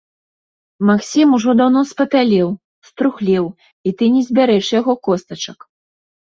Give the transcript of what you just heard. Максім ужо даўно спапялеў, струхлеў, і ты не збярэш яго костачак.